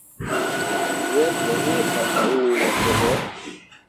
Wel ɓo iŋ fabaŋni mo teɓe.